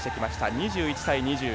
２１対２０。